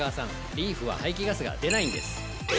リーフは排気ガスが出ないんです！